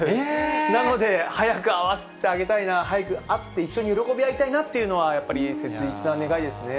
なので、早く会わせてあげたいな、早く会って、一緒に喜び合いたいなっていうのは、やっぱり、切実な願いですね。